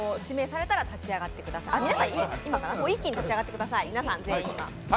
皆さん、一気に立ち上がってください。